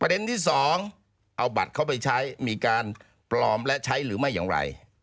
ที่สองเอาบัตรเข้าไปใช้มีการปลอมและใช้หรือไม่อย่างไร